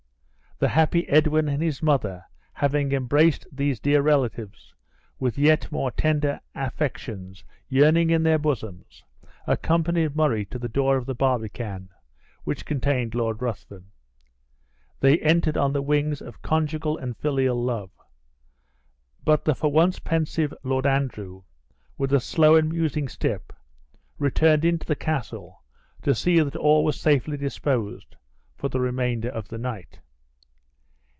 The happy Edwin and his mother having embraced these dear relatives with yet more tender affections yearning in their bosoms, accompanied Murray to the door of the barbican, which contained Lord Ruthven. They entered on the wings of conjugal and filial love; but the for once pensive Lord Andrew, with a slow and musing step, returned into the castle to see that all was safely disposed for the remainder of the night.